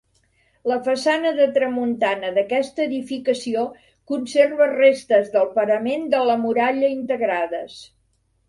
La façana de tramuntana d'aquesta edificació conserva restes del parament de la muralla integrades.